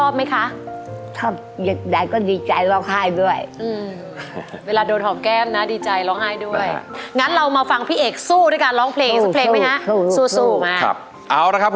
๑๐๐๐๐บาทครับอินโทรมาเลยครับ